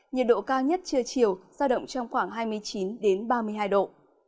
nhiệt độ cao nhất trưa chiều ra động trong khoảng hai mươi chín đến ba mươi hai độ